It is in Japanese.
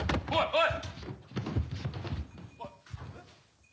おい！